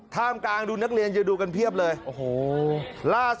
ท่ามกลางดูนักเรียนจะดูกันเพียบเลยโอ้โหล่าสุด